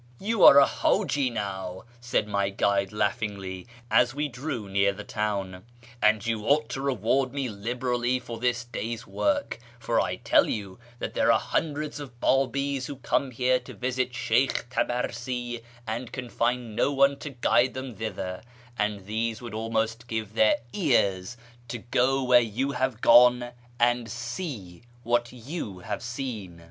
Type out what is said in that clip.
"You are a H;iji now," said my guide laughingly, as we drew near the town. " and you ought to reward me liberally for this day's work ; for I tell you that there are hundreds of Bi'ibis who come here to visit Sheykh Tabarsi and can find no one to guide them thither, and these would almost give their ears to go where you have gone and see what you have seen."